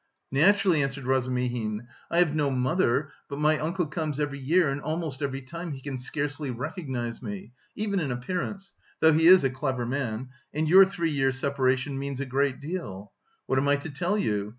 "Naturally," answered Razumihin. "I have no mother, but my uncle comes every year and almost every time he can scarcely recognise me, even in appearance, though he is a clever man; and your three years' separation means a great deal. What am I to tell you?